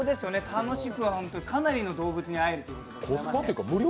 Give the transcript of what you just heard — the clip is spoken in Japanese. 楽しくかなりの動物に会えるという。